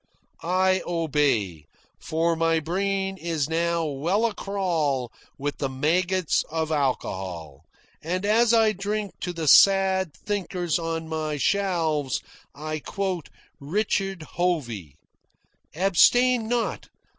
I obey, for my brain is now well a crawl with the maggots of alcohol, and as I drink to the sad thinkers on my shelves I quote Richard Hovey: "Abstain not!